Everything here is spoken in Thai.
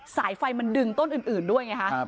สายไฟมันดึงต้นอื่นด้วยไงฮะ